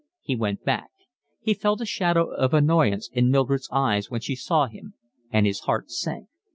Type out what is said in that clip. He went back. He felt a shadow of annoyance in Mildred's eyes when she saw him, and his heart sank.